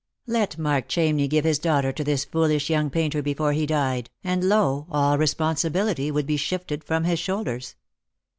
Let Mark Chamney give his daughter to this foolish young painter before he died, and, lo, all responsibility would be shifted from his shoulders.